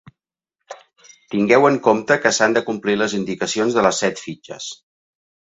Tingueu en compte que s'han de complir les indicacions de les set fitxes.